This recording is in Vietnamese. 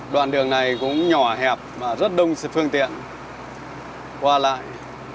đoạn đường này cũng nhỏ hẹp và rất đông sự phương tiện qua lại